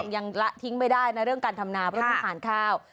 ละทิ้งไม่ได้นะเรื่องการทำนาเพราะต้องทานข้าว